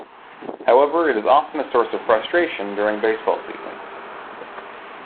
However, it is often a source of frustration during baseball season.